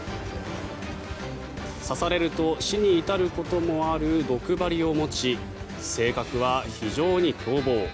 刺されると死に至ることもある毒針を持ち性格は非常に凶暴。